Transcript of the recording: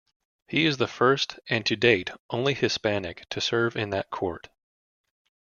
He is the first and to date only Hispanic to serve in that court.